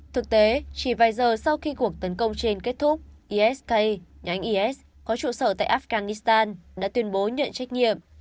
thực tế chỉ vài giờ sau khi cuộc tấn công trên kết thúc isk nhánh is có trụ sở tại afghanistan đã tuyên bố nhận trách nhiệm